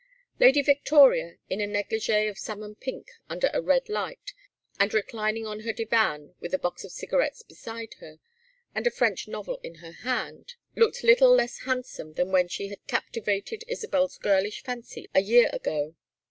Lady Victoria, in a négligée of salmon pink under a red light, and reclining on her divan with a box of cigarettes beside her, and a French novel in her hand, looked little less handsome than when she had captivated Isabel's girlish fancy a year ago.